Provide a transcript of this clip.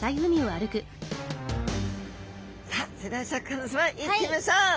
さあそれではシャーク香音さま行ってみましょう！